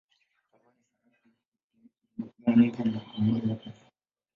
Zamani sarafu ilikuwa umbo la kawaida ya pesa.